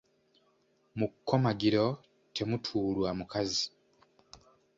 Mu kkomagiro temutuulwa mukazi.